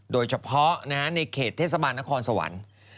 โดยเฉพาะในเขตเทศบาลนครสวรรค์